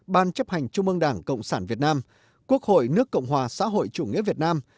ban chấp hành trung ương đảng cộng sản việt nam quốc hội nước cộng hòa xã hội chủ nghĩa việt nam